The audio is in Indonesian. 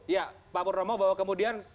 ya pak purnomo bahwa kemudian